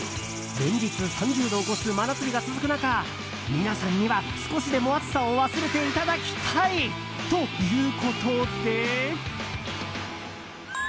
連日３０度を超す真夏日が続く中皆さんには、少しでも暑さを忘れていただきたいということで。